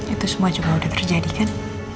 itu semua juga sudah terjadi kan